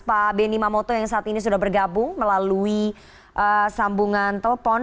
pak benny mamoto yang saat ini sudah bergabung melalui sambungan telepon